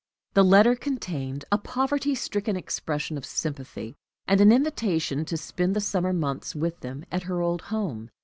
The letter contained a poverty stricken expression of sympathy, and an invitation to spend the summer months with them at her old home.